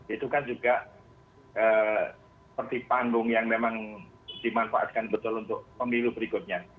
itu kan juga seperti panggung yang memang dimanfaatkan betul untuk pemilu berikutnya